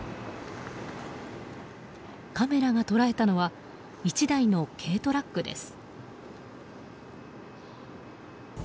カメラが捉えたのは１台の軽トラックです。